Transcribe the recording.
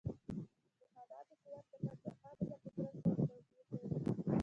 چې د خانانو قوت د پاچاهانو له قدرت سره توپیر لري.